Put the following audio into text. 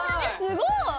すごい！